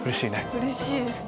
うれしいですね。